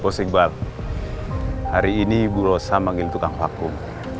bos iqbal hari ini ibu rosa manggil tukang vakum